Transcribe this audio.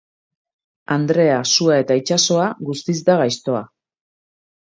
Andrea, sua eta itsasoa, guztiz da gaiztoa.